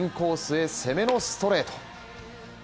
インコースへ攻めのストレート。